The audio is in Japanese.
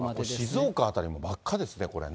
静岡辺りも真っ赤ですね、これね。